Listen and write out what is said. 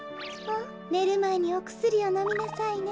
ねるまえにおくすりをのみなさいね。